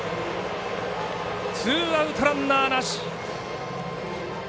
ツーアウト、ランナーなし。